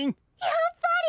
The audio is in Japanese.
やっぱり。